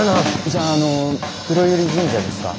じゃああの黒百合神社ですか？